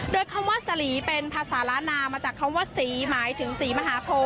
โดยคำว่าสลีเป็นภาษาล้านนามาจากคำว่าศรีหมายถึงศรีมหาโพ